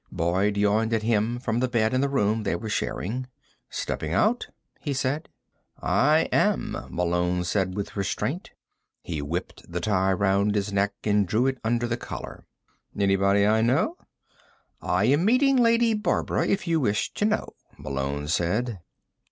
Boyd yawned at him from the bed in the room they were sharing. "Stepping out?" he said. "I am," Malone said with restraint. He whipped the tie round his neck and drew it under the collar. "Anybody I know?" "I am meeting Lady Barbara, if you wish to know," Malone said.